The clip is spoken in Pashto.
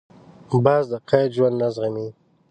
باز د قید ژوند نه زغمي